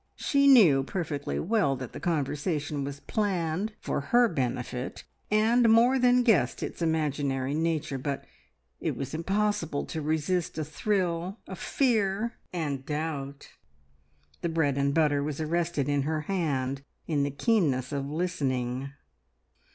She knew perfectly well that the conversation was planned for her benefit, and more than guessed its imaginary nature, but it was impossible to resist a thrill a fear a doubt! The bread and butter was arrested in her hand in the keenness of listening.